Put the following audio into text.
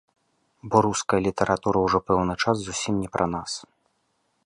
Бо руская літаратура ўжо пэўны час зусім не пра нас.